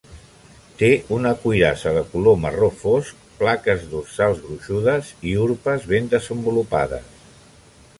Té una cuirassa de color marró fosc, plaques dorsals gruixudes i urpes ben desenvolupades.